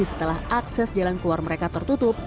setelah akses jalan keluar mereka tertutup